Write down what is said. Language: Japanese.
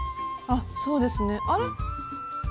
あそうですね。あれ？